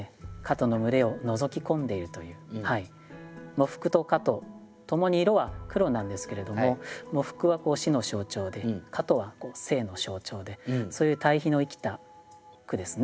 「喪服」と「蝌蚪」ともに色は黒なんですけれども喪服は死の象徴で蝌蚪は生の象徴でそういう対比の生きた句ですね。